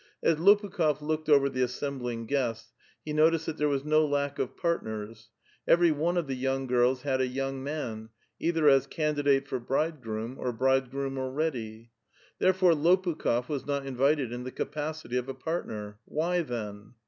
As L())>ukhuf looked over the assembling guests, he noliciMl ihat there was no lack of partners (Jcavalyer) ; every one ()( the young girls had a young man, either as can<li<hile lor bridegroom or bridegroom already. Therefore I^jl>ukli6f was not invited in the capacity of a partner ; why, then?